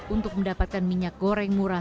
untuk mendapatkan minyak goreng murah